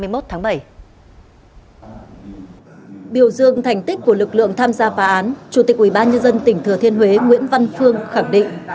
biểu dương thành tích của lực lượng tham gia phá án chủ tịch ubnd tỉnh thừa thiên huế nguyễn văn phương khẳng định